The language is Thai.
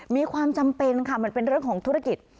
มีความจำเป็นค่ะมันเป็นเรื่องของธุรกิจ